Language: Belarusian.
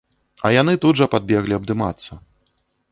А яны тут жа падбеглі абдымацца.